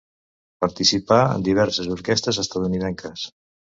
Participà en diverses orquestres estatunidenques.